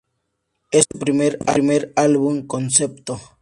Es su primer álbum-concepto.